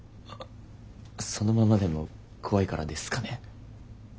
あそのままでも怖いからですかね。